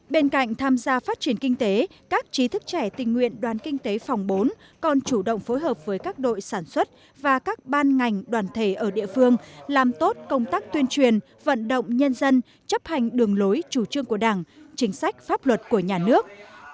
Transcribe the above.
bên cạnh tham gia phát triển kinh tế các trí thức trẻ tình nguyện đoàn kinh tế phòng bốn còn chủ động phối hợp với các đội sản xuất và các ban ngành đoàn thể ở địa phương làm tốt công tác tuyên truyền vận động nhân dân chấp hành đường lối chủ trương của đảng chính sách pháp luật của nhà nước